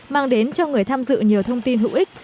mang đến cho người tham dự nhiều thông tin hữu ích